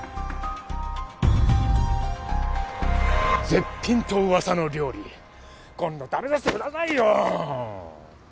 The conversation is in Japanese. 絶品と噂の料理今度食べさせてくださいよ！